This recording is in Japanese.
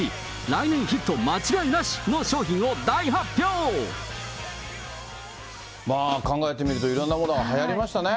来年ヒット間違いなしの商品を大まあ、考えてみるといろんなものがはやりましたね。